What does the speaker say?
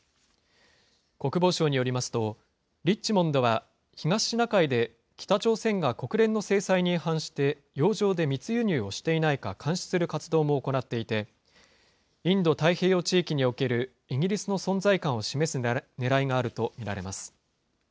国防省によりますと、リッチモンドは東シナ海で北朝鮮が国連の制裁に違反して、洋上で密輸入をしていないか監視する活動も行っていて、インド太平洋地域におけるイギリスの存在感を示すねらいがあると見られます。